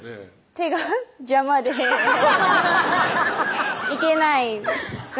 手が邪魔で行けない